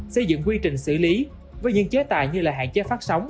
xây dựng quy trình xử lý với những chế tài như là hạn chế phát sóng